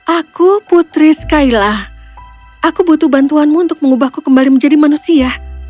aku putri skyla aku butuh bantuanmu untuk mengubahku kembali menjadi manusia